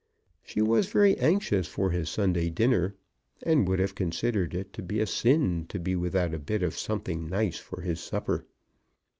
She was very anxious for his Sunday dinner, and would have considered it to be a sin to be without a bit of something nice for his supper.